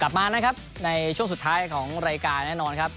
กลับมานะครับในช่วงสุดท้ายของรายการแน่นอนครับ